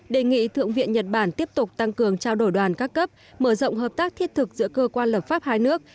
đề nghị thượng viện nhật bản tiếp tục tăng cường trao đổi đoàn các cấp mở rộng hợp tác thiết thực giữa cơ quan lập pháp hai nước